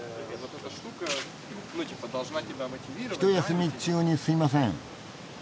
ひと休み中にすいません。